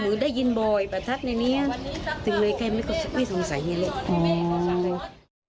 มึงได้ยินบ่อยประทัดในนี้จึงเลยใกล้ไม่สงสัยอย่างนี้เลยอ๋อ